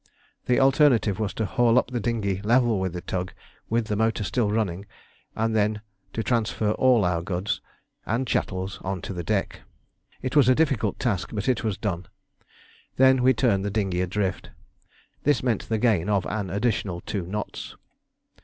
The alternative was to haul up the dinghy level with the tug, with the motor still running, and then to transfer all our goods and chattels on to the deck. It was a difficult task, but it was done. We then turned the dinghy adrift. This meant the gain of an additional two knots.